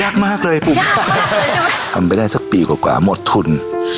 ยักมากเลยปลูกทำไม่ได้สักปีกว่าหมดทุน